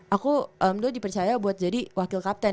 aku alhamdulillah dipercaya buat jadi wakil kapten